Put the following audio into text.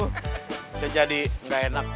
bisa jadi gak enak